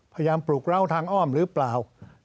พยายามปลูกราวทางอ้อมหรือเปล่า